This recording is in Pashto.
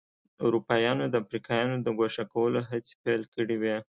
اروپایانو د افریقایانو د ګوښه کولو هڅې پیل کړې وې.